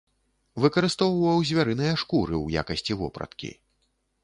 Выкарыстоўваў звярыныя шкуры ў якасці вопраткі.